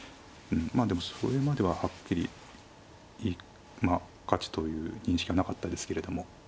まあでもそれまでははっきりまあ勝ちという認識はなかったですけれども。